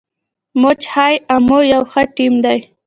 موج های امو یو ښه ټیم دی.